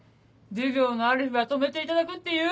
授業のある日は泊めていただくっていう。